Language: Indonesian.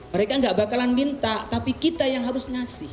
mereka tidak akan minta tapi kita yang harus